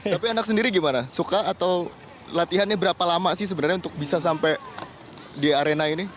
tapi anak sendiri gimana suka atau latihannya berapa lama sih sebenarnya untuk bisa sampai di arena ini